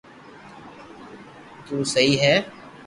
تو سھي ھي